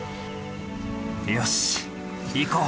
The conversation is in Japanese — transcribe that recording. よし行こう。